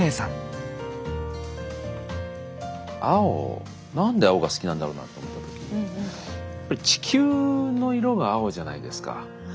青なんで青が好きなんだろうなと思ったときに地球の色が青じゃないですか。